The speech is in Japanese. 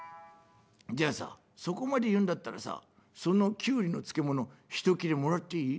じゃあさそこまで言うんだったらさそのキュウリの漬物１切れもらっていい？」。